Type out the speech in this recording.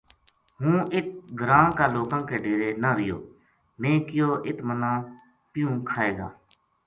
ہوں اِت گراں کا لوکاں کے ڈیرے نہ رہیو میں کہیو اِت منا پیوں کھائے گا